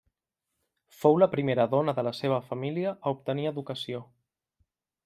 Fou la primera dona de la seva família a obtenir educació.